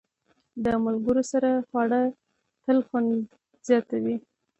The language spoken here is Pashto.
د ملګرو سره خواړه تل خوند زیاتوي.